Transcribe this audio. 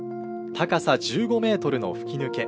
高さ１５メートルの吹き抜け。